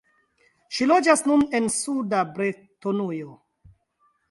Ŝi loĝas nun en suda Bretonujo.